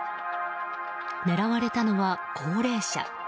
狙われたのは高齢者。